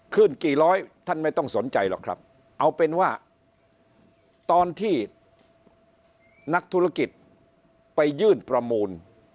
กี่ร้อยท่านไม่ต้องสนใจหรอกครับเอาเป็นว่าตอนที่นักธุรกิจไปยื่นประมูล